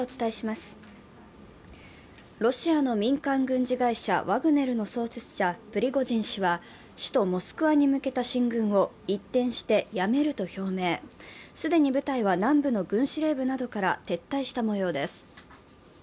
ロシアの民間軍事会社ワグネルの創設者、プリゴジン氏は、首都モスクワに向けた進軍を一転してやめると表明、既に部隊は南部の軍司令部などから撤退したもようです。